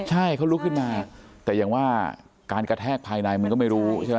ใช่เขาลุกขึ้นมาแต่อย่างว่าการกระแทกภายในมันก็ไม่รู้ใช่ไหม